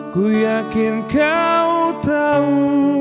ku yakin kau tahu